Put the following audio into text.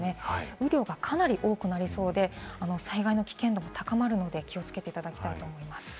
雨量がかなり多くなりそうで、災害の危険度も高まるので気をつけていただきたいと思います。